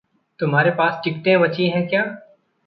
तुम्हारे पास टिकटें बचीं हैं क्या?